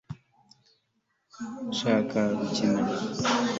ko ntashaka gukina